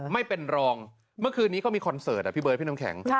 ไม่เป็นรองเมื่อคืนนี้ก็มีคอนเสิร์ตอ่ะพี่เบิร์ดพี่น้ำแข็ง